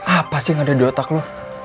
apa sih yang ada di otak lo